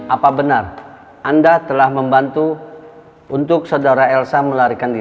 apa benar anda telah membantu untuk saudara elsa melarikan diri